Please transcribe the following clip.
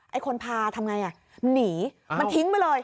ไอ้คนพาทำไงมันหนีมันทิ้งไปเลย